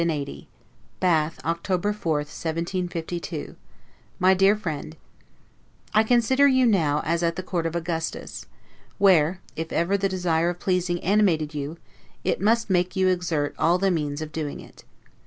LETTER CLXXX BATH, October 4, 1752 MY DEAR FRIEND: I consider you now as at the court of Augustus, where, if ever the desire of pleasing animated you, it must make you exert all the means of doing it.